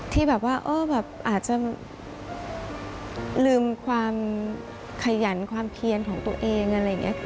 ที่แบบว่าอาจจะลืมความขยันความเพียนของตัวเองอะไรอย่างนี้